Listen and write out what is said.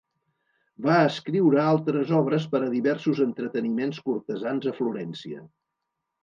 Va escriure altres obres per a diversos entreteniments cortesans a Florència.